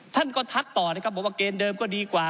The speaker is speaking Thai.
ท่านก็ทักต่อนะครับบอกว่าเกณฑ์เดิมก็ดีกว่า